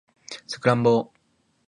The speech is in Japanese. サクランボ